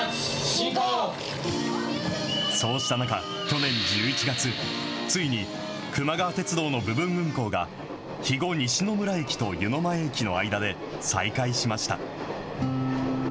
そうした中、去年１１月、ついにくま川鉄道の部分運行が、肥後西村駅と湯前駅の間で再開しました。